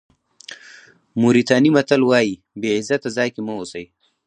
موریتاني متل وایي بې عزته ځای کې مه اوسئ.